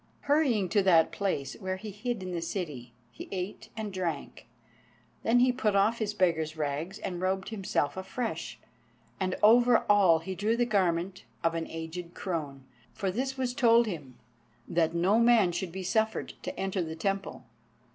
Hurrying to that place where he hid in the city, he ate and drank. Then he put off his beggar's rags, and robed himself afresh, and over all drew the garment of an aged crone, for this was told him, that no man should be suffered to enter the Temple.